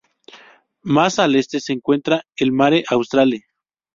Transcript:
Más al este se encuentra el Mare Australe.